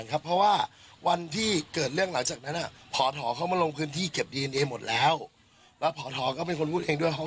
เท่าที่เห็นในคลิปตั้งแต่ที่ส่งมาตั้งแต่แรกแล้ว